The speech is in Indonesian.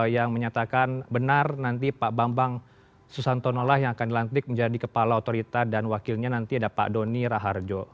yang menyatakan benar nanti pak bambang susantono lah yang akan dilantik menjadi kepala otorita dan wakilnya nanti ada pak doni raharjo